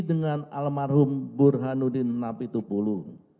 dengan almarhum burhanuddin namitpulu